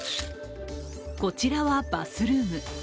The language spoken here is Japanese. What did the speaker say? こちらはバスルーム。